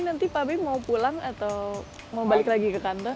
nanti pak bem mau pulang atau mau balik lagi ke kantor